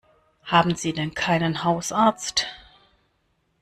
Haben Sie denn keinen Hausarzt?